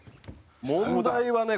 問題はね